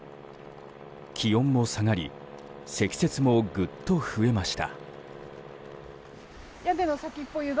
気温も下がり積雪もぐっと増えました。